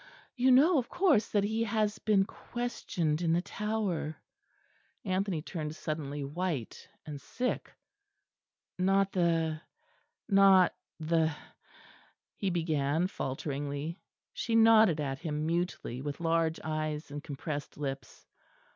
You know, of course, that he has been questioned in the Tower." Anthony turned suddenly white and sick. "Not the not the " he began, falteringly. She nodded at him mutely with large eyes and compressed lips.